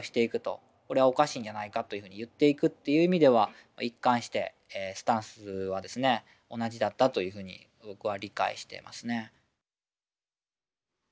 これはおかしいんじゃないかというふうに言っていくという意味では一貫してスタンスは同じだったというふうに僕は理解していますね。